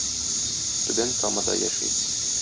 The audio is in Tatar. Түбән Камада яши.